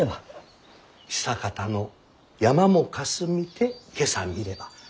「久かたの山もかすみて今朝みれば」。